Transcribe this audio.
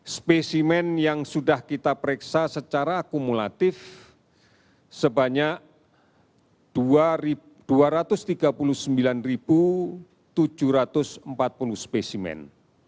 spesimen yang sudah kita periksa secara akumulatif sebanyak dua ratus tiga puluh sembilan tujuh ratus empat puluh spesimen